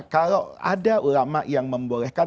kalau ada ulama yang membolehkan